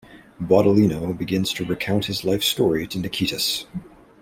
Baudolino begins to recount his life story to Niketas.